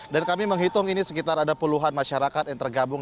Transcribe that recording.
dan kami menghitung ini sekitar ada puluhan masyarakat yang tergabung